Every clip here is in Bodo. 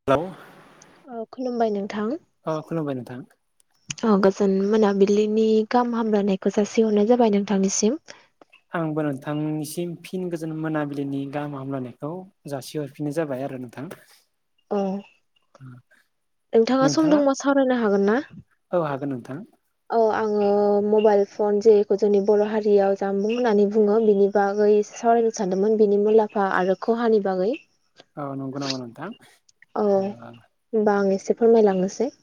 [unintelligible] औ खुलुमबाय नोंथां। अ खुलुमबाय नोंथां। औ गोजोन मोनाबिलिनि गाहाम हामलायनायखौ जासिहरनाय जाबाय नोंथांनिसिम। आंबो नोंथांनिसिम फिन गोजोन मोनाबिलिनि गाहाम हामलायनायखौ जासि हर फिनाय जाबाय आरो नोंथां। औ। [inaudible] नोंथांङा सम नोंथाङा दंबा सावरायनो हागोन ना? औ हागोन नोंथां औ आंङो मबाइल फन जेखौ जोंनि बर' हारियाव जामबुं होननानै बुङो बिनि बागै सावरायनो सानदोंमोन बिनि मुलाम्फा आरो खहानि बागै। औ नंगौ नामा नोंथां औ ओ होमबा आं एसे फोरमायलांनोसै।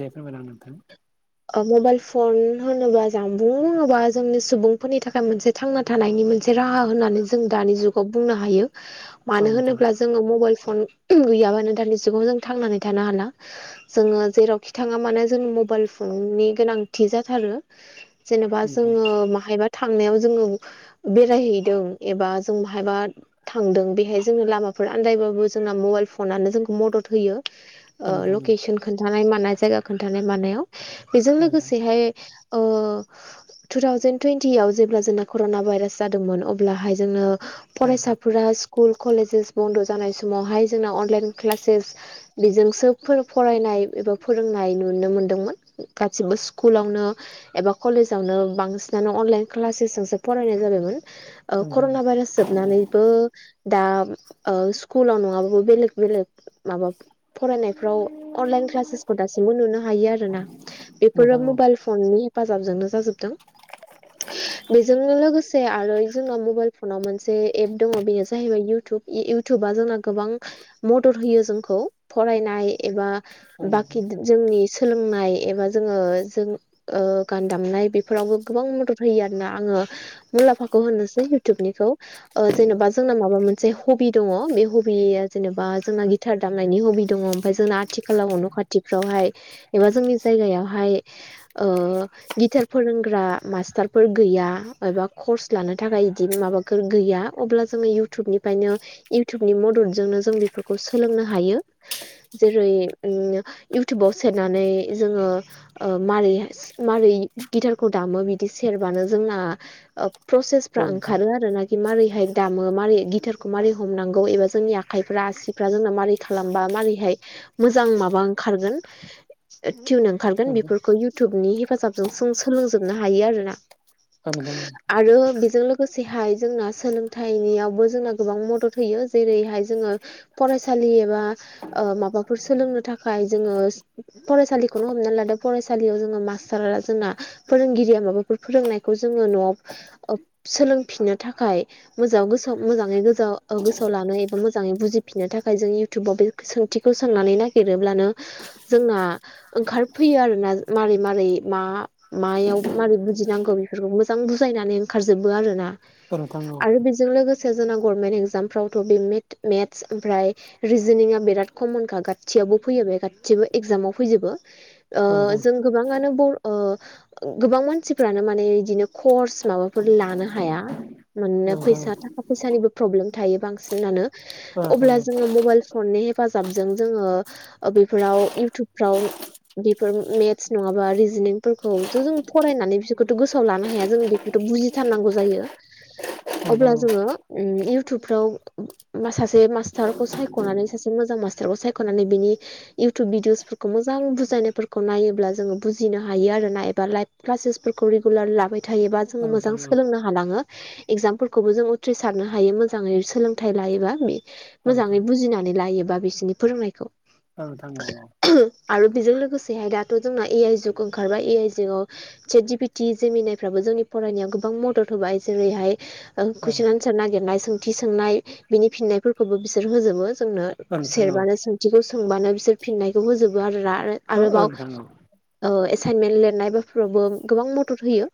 दे फोरमायलां नोंथां ओ मबाइल फन होनोबा जामबुं होनोब्ला जोंनि सुबुंफोरनि थाखाय मोनसे थांना थानायनि मोनसे राहा होननानै जों दानि जुगाव बुंनो हायो औ मानो नोंथां होनोब्ला जों जोंङो मबाइल फन गैयाबानो दानि जुगाव जों थांनानै थानो हाला। जोंङो जेरावखि थांङा माने जों मबाइल फन नि गोनांथि जाथारो जेनेबा नोंथां औ जोंङो बाहायबा थांनायाव जोंङो बेरायहैदों एबा जों बहायबा थांदों बेहाय जोंङो लामाफोर आनन्दायबाबो जोंना मबाइल फनानो जोंखौ मदद होयो। ओ नोंथां औ नोंथां लकेसन खोनन्थानाय मानाय जायगा खोनन्थानाय मानायाव। बेजों लोगोसेहाय ओ टु थावजेेन टुवइनटियाव जेब्ला जोंना कर'ना भाइरास जादोंमोन अब्लाहाय जोंङो औ नोंथां औ नोंथां फरायसाफोरा स्कुल कलेजेस बन्द' जानाय समावहाय जोंना अनलाइन क्लासेस बेजोंसो फोर फरायनाय एबा फोरोंनाय नुनो मोनदोंमोन। गासिबो स्कुलावनो एबा कलेजावनो बांसिनानो अनलाइन क्लासेसजोंसो फरायनाय जाबायमोन। ओ नोंथां कर'ना भाइरास जोबनानैबो दा स्कुलाव नङाबाबो बेलेग बेलेग माबा फरायनायफ्राव अनलाइन क्लासेसखौ दासिमबो नुनो हायो आरोना। फोरो औ नोंथां औ नोंथां औ नोंथां औ नोंथां औ नोंथां औ नोंथां औ नोंथां औ नोंथां औ नोंथां औ नोंथां औ नोंथां औ नोंथां औ नोंथां औ नोंथां मबाइल फननि हेफाजाबजोंनो जाजोबदों। बेजों लोगोसे आरो जोंनाव मबाइल फनाव मोनसे एप दङ' बेनो जाहैबाय इउटुब। इउटुबा जोंना गोबां मदद होयो जोंखौ फरायनाय एबा औ बाखि जोंनि सोलोंनाय एबा जोंङो जों ओ गान दामनाय बेफोरावबो गोबां मदद होयो आरोना आङो मुलाम्फाखौ होनोसै उटुबनिखौ। ओ जेनेबा जोंना माबा मोनसे हबि दङ बे हबिया जेनेबा जोंना थार दामनायनि हबि दङ ओमाय जोंना आथिखालाव न' खाथिफ्रावहाय एबा जोंनि जायगायावहाय ओ गिटार फोरोंग्रा मास्टारफोर गैया एबा कर्स लानो थाखाय बिदि माबा बे फोर गैया अब्ला जोंङो इयउटुबनिफायनो इउथुबनि मददजोंनो जों बेफोरखौ सोलोंनो हायो। जेरै उम इउटुबाव सेरनानै जोङो ओ मारैस मारै गिटारखौ दामो बिदि सेरबानो जोंना ओ प्रसेसफ्रा ओंखारो आरो नाय मारैहाय दामो मारै गिटारखौ मारै हमनांगौ एबा जोंनि आखाइफ्रा आसिफ्रा जोंना मारै खालामबा मारैहाय मोजां माबा ओंखारगोन। टिउन ओंखारगोन बेफोरखौ इउटुबनि हेफाजाबजों सों सोलोंजोबनो हायो आरोना। [unintelligible] आरो बेजों लोगोसेहाय जोंना सोलोंथाइनियावबो जोंना गोबां मदद होयो जेरैहाय जोङो फरायसालि एबा ओ माबाफोर सोलोंनो थाखाय जोङो फरायसालिखौनो हमना लादो फरायसालियाव जोङो मासटार जोंना फोरोंगिरिया माबाफोर फोरोंनायखौ जोङो न'आव ओब सोलोंफिननो थाखाय मोजां गोसोआव मोजाङै गोसोआव ओ गोसोआव लानो एबा मोजाङै बुजिफिननो थाखाय जों इउटुबाव बे सोंथिखौ सोंनानै नागिरोब्लानो जोंना ओंखारफैयो आरोना मारै मारै मा मायाव मारै बुजिनांगौ बेफोरखौ मोजां बुजायनानै ओंखारजोबो आरो ना। नोंथां औ। जों लोगोसे जोंना गरमेन्ट एगजामफ्रावथ' बे मेट मेट्स ओमफ्राय रिजनिंआ बिराद कमनखा गासियावबो फैयो बे गासिबो एगजामाव फैजोबो ओह जों गोबाङानो बर ओ गोबां मानसिफ्रानो माने इदिनो कर्स माबाफोर लानो हाया मोननो फैसा थाखा फैसानिबो प्रब्लेम थायो बांसिनानो अब्ला जोङो मबाइल फननि हेफाजाबजों जोङो बेफोराव इउटुबफ्राव बेफोर मेट्स नङाबा रिजनिंफोरखौ थ' जों फरायनानै बिसोरखौथ' गोसोआव लानो हाया जों थ' बुजिथारनांगौ जायो अब्ला जोङो उम इउटुबफ्राव बा सासे मास्टारखौ सायख'नानै सासे मोजां मास्टारखौ सायख'नानै बिनि इउटुब भिदिअस फोरखौ मोजां बुजायनायफोरखौ नायोब्ला जोङो बुजिनो हायो आरोना एबा लाइभ क्लासेस फोरखौ रेगुलार लाबाय थायोबा जोङो मोजां सोलोंनो हालाङो। एगजामफोरखौबो जों उथ्रिसारनो हायो मोजाङै सोलोंथाइ लायोबा बे मोजाङै बुजिनानै लायोबा बिसोरनि फोरोंनायखौ। औ नोंथां नंगौ। आरो बेजों लोगोसेहाय दाथ' जोंना ए आइ जुग ओंखारबाय ए आइ जुगाव चेत जिपिटि जमिनायफ्राबो जोंनि फरायनायाव गोबां मदद होबाय जेरैहाय ओं कुइसन एनसार नागिरनाय सोंथि सोंनाय बिनि फिननायफोरखौबो बिसोर होजोबो जोंनो। सेरबानो सोंथिखौ सोंबानो बिसोर फिननायखौ होजोबो आरो आरोबाव ओ एसाइनमेन्ट लिरनाय बेफोरावबो गोबां मदद होयो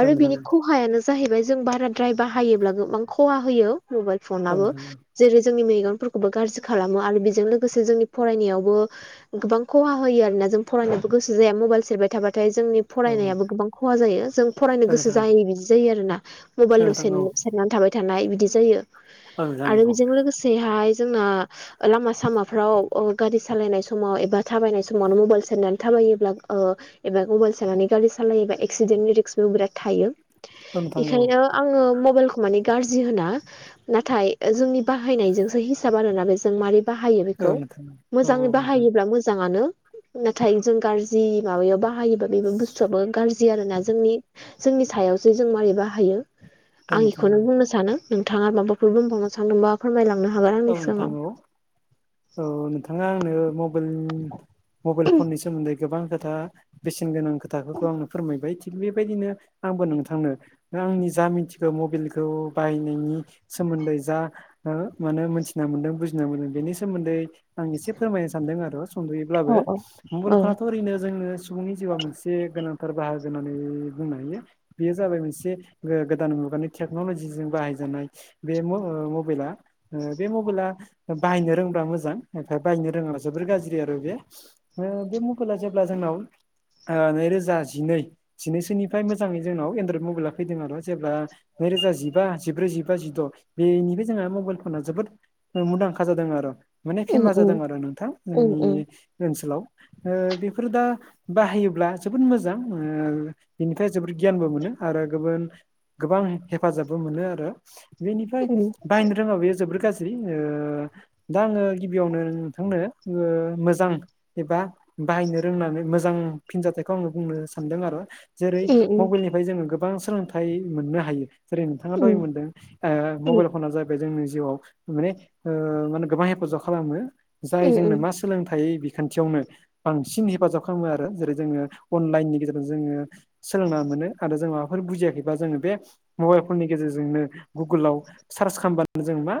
आरो बिनि खहायानो जाहैबाय जों बाराद्राय बाहायोब्ला गोबां खहा होयो मबाइल औ फनाबो। नोंथां औ जेरै जोंनि मेगनफोरखौबो गाज्रि खालामो आरो बेजों लोगोसे जोंनि फरायनायावबो गोबां खहा होयो आरोना जों फरायनोबो गोसो जाया मबाइल सेरबाय थाबाथाय जोंनिब औ फरायनायाबो गोबां खहा जायो जों फरायनो गोसो नोंथां जाहोयि बिदि जायो आरोना? औ मबाइल नोंथां सेन औ सेरनानै थाबाय थानाय बिदि जायो औ नोंथां आरो औ बेजों लोगोसेहाय जोंना लामा सामाफ्राव ओ गारि सालायनाय समाव एबा थाबायनाय समावनो मबाइल सेरनानै थाबायोब्ला ओ एबा मबाइल सेरनानै गारि सालायोबा एक्सिडेन्टनि रिस्कबो बिराद थायो औ नोंथां औ बेखायनो आङो मबाइलखौ माने गाज्रि होना। नाथाय जोंनि बाहायनायजोंसो हिसाब आरोना बे जों माबारै बाहायो औ बेखौ। नोंथां औ नोंथां मोजाङै औ बाहायोब्ला मोजाङानो। नाथाय जों गाज्रि माबायाव बाहायोबा बेबो बुस्थुआाबबो गाज्रि आरो ना जोंनि जोंनि सायावसो जों मारै बाहायो? आं नोंथां बेखौनो बुंनो सानो नोंथाङा माबाफोर बुंबावनो सानदोंबा फोरमायलांनो हागोन। औ आंनि नोंथां सिगाङाव औ औ नोंथाङा आंनो मब [unintelligible] मबाइल फननि सोमोन्दै गोबां खोथा बेसेन गोनां खोथाफोरखौ आंनो फोरमायबाय थिग बेबायदिनो आंबो नोंथांनो [unintelligible] आंनि जा मिथिगौ मबेलखौ बाहायनायनि सोमोन्दै जा ओ मानो मोनथिना मोन्दों बुजिना मोनदों बेनि सोमोन्दै आं एसे फोरमायनो सान्दों आरो सुंद'यैब्लाबो औ औ मबाइल औ फनाथ' ओरैनो जोंनो सुबुंनि जिउआ मोनसे गोनांथार बाहागो होननानै बुंनो हायो। बेयो जाबाय मोनसे गोदान मुगानि टेक्न'लजिजों बाहायजानाय बे म ओ मबाइला बे मबाइला बाहायनो रोंब्ला मोजां ओमफ्राय बाहायनो रोङाब्ला जोबोर गाज्रि आरो बे ओ बे मबायला जेब्ला जोंनाव ओ नैरोजा जिनै जिनैसोनिफ्राय मोजाङै जोंनाव एनड्रयद मबाइला फैदों आरो' जेब्ला नैरोजा जिबा जिब्रै जिबा जिद' बेनिफ्राय जोंहा मबाइल होनना जोबोद मुंदांखा जादों आरो माने उम फेमास उम जादों आरो नोंथां उम उम [unintelligible] ओनसोलाव ओ बेफोर दा बाहायोब्ला जोबोद मोजां ओ बेनिफ्राय जोबोद गियानबो मोनो आरो गोबोन गोबां हेफाजाबबो मोनो आरो बेनिफ्राय उम बाहायनो रोङाब्ला बे जोबोद गाज्रि ओ दा आङो गिबियावनो नोंथांनो ओ मोजां एबा बाहायनो रोंनानै मोजां फिनजाथाइखौ आङो बुंनो सानदों आरो जेरै उम मबेलनि फाय जोङो गोबां सोलोंथाइ मोननो हायो जेरै नोंथाङा दहाय मोनदों उम मबाइल फना जाबाय जोंनि जिउआव माने मा होनो गोबां हेफाजाब खालामो जाय जोंनो उम मास सोलोंथाइ बिखान्थियावनो बांसिन हेफाजाब खालामो आरो जेरै जोङो अनलायेननि गेजेरजों जोङो सोलोंना मोनो आरो जों माबाफोर बुजियाखैबा जोङो बे मबाइल फननि गेजेरजोंनो गुगलाव सार्च खामबान जों मा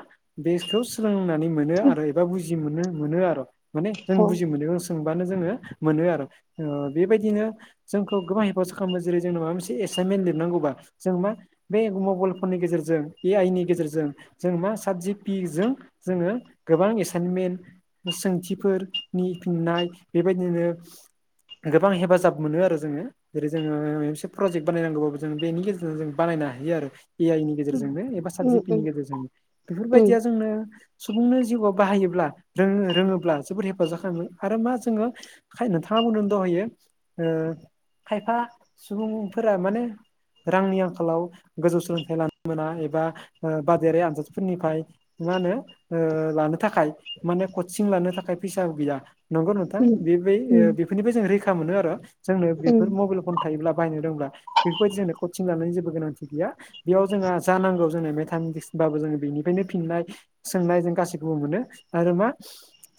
बेखौ सोलोंनानै मोनो उम आरो एबा बुजि मोननो मोनो आरो माने जों औ बुजि मोनो सोंबानो जोङो मोनो आरो ओ बेबायदिनो जोंखौ गोबां हेफाज खालामबाय जेरै जोंनो माबा मोनसे एसाइनमेन्ट लिरनांगौबा जों मा बे मबाइल फननि गेजेरजों ए आइ नि गेजेरजों जों मा साबजि पिजों जोङो गोबां एसाइनमेन्ट सोंथिफोरनि फिननाय बेबायदिनो गोबां हेफाजाब मोनो आरो जोङो जेरै जोङो मोनसे प्रजेक्ट बानायनांगौबाबो जों बेनि गेजेरजों जों बानायनो हायो आरो। ए आइ नि गेजेरजोंनो एबा उम उम सातजिपितिनि गेजेरजोंनो बेफोरबायदिया जोंनो सुबुंनो जिउआव बाहायोब्ला रोङो-रोङोब्ला जोबोद हेफाजाब खालामो आरो मा जोङो [unintelligible] नोंथाङा बुंदों दहायो खायफा सुबुंफोरा माने रांनि आंखालाव गोजौ सोलोंथाइ लानो मोना एबा बादायारि आनजाद फोरनिफ्राय मा होनो लानो थाखाय माने कचिं लानो थाखाय फैसा गैया। नंगौ नोंथां उम बेबाय उम ओ बेफोरनिफ्राय जों रैखा मोनो आरो जोंनो उम बेफोर मबाइल फन थायोब्ला बाहायनो रोंब्ला बेफोरबायदि जोंनो कचिं लानायनि जेबो गोनांथि गैया बेयाव जोंहा जा नांगौ जोंनो मेथामेटिक्स बाबो जोङो बेनिफ्रायनो फिननाय सोंनाय जों गासिखौबो मोनो आरो मा?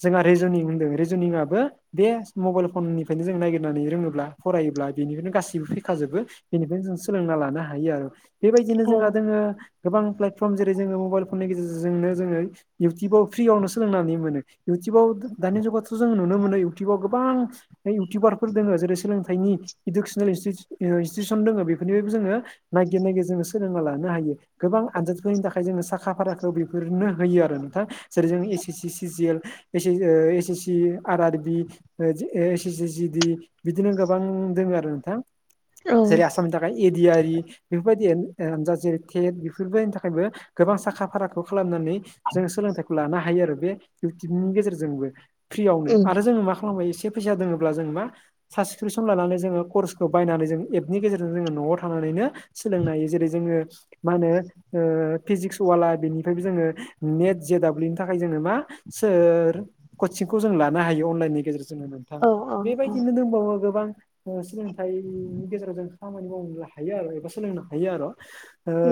जोंहा रिेजनिं होनदों रेजुनिंआबो बे मबाइल फननिफ्रायनो जों नागिरनानै रोङोब्ला फरायोब्ला बेनिफ्रायनो गासैबो फैखाजोबो बेनिफ्रायनो जों सोलोंना लानो हायो आरो बेबायदिनो औ जोंहा दङ गोबां प्लेटफर्म जेरै जोङो मबाइल फननि गेजेजजोंनो जोङो इउटुबाव फ्रियावनो सोलोंनानै मोनो। इउटुबाव दानि जुगावथ' जों नुनो मोनो इउटुबाव गोबां इउटुबारफोर दङ जेरै सोलोंथाइनि इडुकेसनेल इनस्टिटिउसन दङ बेफोरनिफ्रायबो जोङो नागिर नागिर जोङो सोलोंना लानो हायो गोबां आनजादसफोरनि थाखाय जोङो साख [unintelligible] बेफोरनो होयो आरो नोंथां जेरै जों S S C C G L S S C R R B S S A G D बिदिनो गोबां दङ आरो नोंथां। औ जेरै आसाम ए दि आर इ बेफोरबायदि जा जेर थेट बेफोरबायदिनि थाखायबो गोबां साखा फाराखौ खालामनानै जों सोलोंथाइखौ लानो हायो आरो बे इउटुबनि गेजेरजोंबो। फ्रियावनो उम आरो जोङो मा खालामबाय एसे फैसा दङब्ला जों मा साबसक्रिपसन लानानै जोङो कर्सखौ बायनानै जों एपनि गेजेरजों जोङो न'आव थानानैनो सोलोंनो हायो जेरै जोङो मा होनो ओ फिजिक्स वाला बेनिफ्रायबो जोङो नेट जे डाब्लिउनि थाखाय जोङो मा सोर कचिंखौ जों लानो हायो अनलाइननि गेजेरजोंनो नोंथां, औ औ औ बेबायदिनो दंबावो गोबां सोलोंथाइनि गेजेराव जों खामानि मावनो हायो आरो एबा सोलोंनो हायो आरो।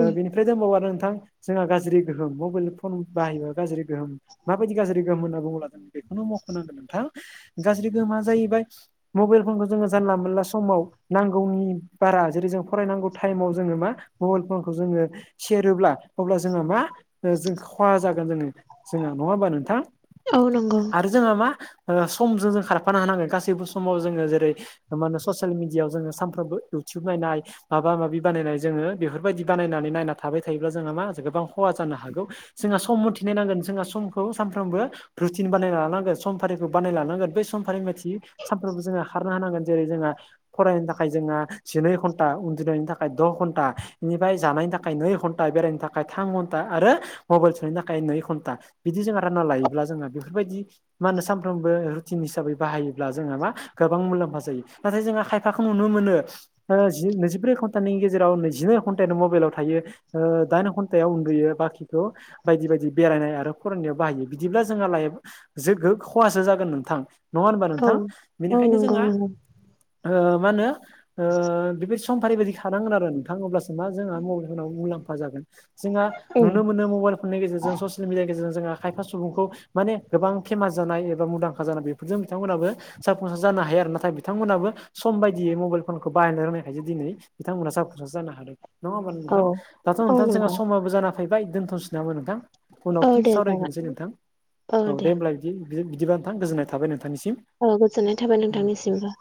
उम बेनिफ्राय दंबावो नोंथां जोंहा गाज्रि गोहोम मबाइल फन बाहायोबा गाज्रि गोहोम माबायदि गाज्रि गोहोम होन्ना बुङोब्ला जों बेखौनो मख'नांगोन नोंथां गाज्रि गोहोमा जाहैबाय मबाइल फनखौ जोङो जानला मोनला समाव नांगौनि बारा जेरै जों फरायनांगौ टाइमाव जोङो मा मबाइल फनखौ जोङो सेरोब्ला अब्ला जोंहा मा जों खहा जागोन जोङो जोंहा नङा होमबा नोंथां? औ नंगौ। आरो जोङो मा समजों जों खारफानो हानांगोन गासैबो समाव जोङो जेरै मा होनो ससियेल मिडियायाव जोङो सानफ्रोमबो इउटुब नायनाय माबा माबि बानायनाय जोङो बेफोरबायदि बानायनानै नायना थाबाय थायोब्ला जोंहा मा गोबां खहा जानो हागौ। जोंहा सम मथि नायनांगोन जोंहा समखौ सानफ्रोमबो रुटिन बानाय लानांगोन समफारिखौ बानायना लानांगोन बे समफारि मथि सानफ्रोमबो जोङो खारनो होनांगोन जेरै जोंहा फरायनो थाखाय जोंहा जिनै घन्टा उन्दुनायनि थाखाय द' घन्टा बेनिफ्राय जानायनि थाखाय नै घन्टा बेरायनो थाखाय थाम घन्टा आरो मबाइल थुनो थाखाय नै घन्टा बिदि जों रानना लायोब्ला जों बेफोरबायदि मा होनो सानफ्रोमबो रुटिन हिसाबै बाहायोब्ला जोंहा मा गोबां मुलाम्फा जायो नाथाय जोंहा खायफाखौ नुनो मोनो जि नैजिब्रै घन्टानि गेजेराव नैजिनै घन्टानो मबाइलाव थायो। दाइन घन्टायाव उन्दुयो, बाखिखौ बायदि बायदि बेरायनाय आरो फरायनायाव बाहायो बिदिब्ला जोंहा लाइ-जो-गो-खहासो जागोन नोंथां। नङा होनबा औ नोंथां? औ बेनिखायनो नंगौ जोंहा नंगौ मा होनो बेबायदि समफारि बायदि खारनांगोन आरो नोंथां अब्लासो [unintelligible] मुलाम्फा जागोन, जों उम नुनो मोनो मबाइल फननि गेजेरजों ससियेल मिडिया गेजेरजोङो खायफा सुबुंखौ माने गोबां फेमास जानाय एबा मुंदांखा जानाय बेफोरजों बिथांमोनाबो जाफुंसार जानो हायो आरो नाथाय बिथांमोनाबो सम बायदियै मबाइल फनखौ बाहायनो रोंनायखायसो दिनै बिथांमोना जाफुंसार जानो हादों नङा होमबानो औ नोंथां? दाथ' औ नोंथां जोंहा नंगौ समाबो जान फैबाय दोनथ'सै नामोन नोंथां? उनाव औ फिन दे जागोन सावरायफिनोसै नोंथां। औ दे होमब्लाय बिदि बिदिबा नोंथां गोजोननाय थाबाय नोंथांनिसिम। औ गोजोननाय थाबाय नोंथांनिसिमबो।